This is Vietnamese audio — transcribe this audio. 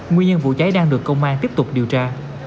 nguyên nhân vụ cháy đang được công an tiếp tục điều tra